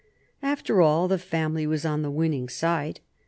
After all, the family was on the winning side.